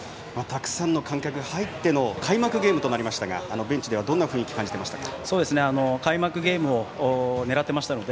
たくさんの観客が入っての開幕ゲームとなりましたがベンチではどんな雰囲気を感じていらっしゃいましたか。